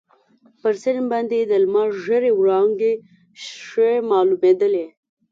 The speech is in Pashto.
پر سیند باندي د لمر ژېړې وړانګې ښې معلومیدلې.